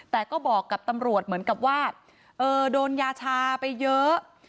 แต่ก็บอกกับตำรวจเหมือนกับว่าโดนยาชาไปเยอะ